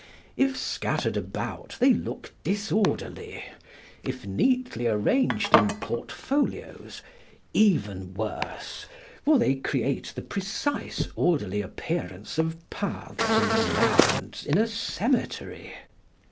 If scattered about they look disorderly; if neatly arranged in portfolios, even worse, for they create the precise, orderly appearance of paths and mounds in a cemetery.